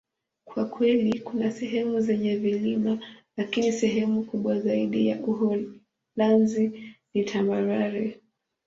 Kwa kweli, kuna sehemu zenye vilima, lakini sehemu kubwa zaidi ya Uholanzi ni tambarare.